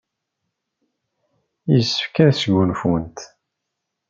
Yessefk ad sgunfunt.